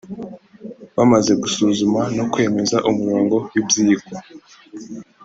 Bamaze gusuzuma no kwemeza umurongo w’ibyigwa